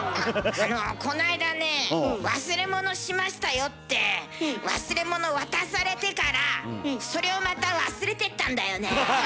あのこないだねぇ「忘れ物しましたよ」って忘れ物渡されてからそれをまた忘れてったんだよね。